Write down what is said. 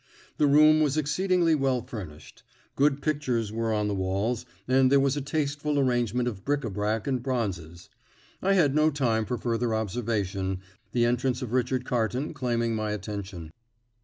The room was exceedingly well furnished. Good pictures were on the walls, and there was a tasteful arrangement of bric a brac and bronzes. I had no time for further observation, the entrance of Richard Carton claiming my attention.